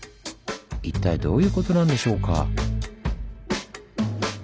一体どういうことなんでしょうか？